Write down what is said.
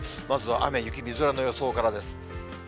まずは雨、雪、みぞれの予想からです。